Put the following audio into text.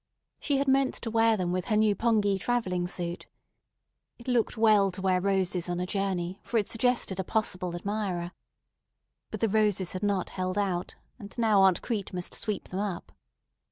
She had meant to wear them with her new pongee travelling suit. It looked well to wear roses on a journey, for it suggested a possible admirer. But the roses had not held out, and now Aunt Crete must sweep them up.